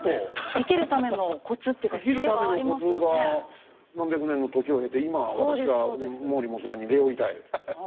生きるためのコツが何百年の時を経て今私は毛利元就に礼を言いたい。